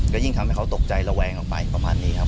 ก็ยิ่งทำให้เขาตกใจระแวงออกไปประมาณนี้ครับ